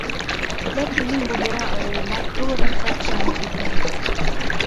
Ләкин мин булдыра алыуыма тулыһынса ышанып етмәйем.